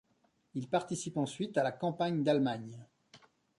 Il participe ensuite à la campagne d'Allemagne.